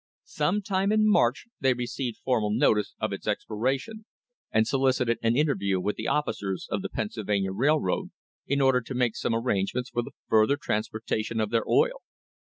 Some time in March they received formal notice of its expiration, and solicited an interview with the officers of the Pennsylvania Railroad in order to make some arrange ments for the further transportation of their oil.